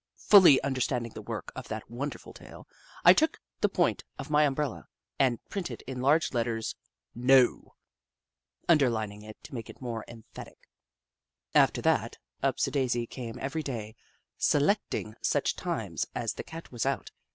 Fully understanding the work of thatwonder ful tail, I took the point of my umbrella and printed In large letters, " NO," underlining It 12 The Book of Clever Beasts to make it more emphatic. After that, Upsi daisi came every day, selecting such times as the Cat was out.